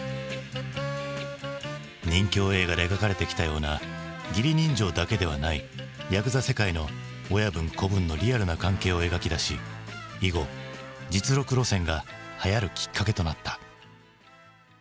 任侠映画で描かれてきたような義理人情だけではないやくざ世界の親分子分のリアルな関係を描き出し以後実録路線がはやるきっかけとなった。